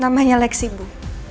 namanya leksi bu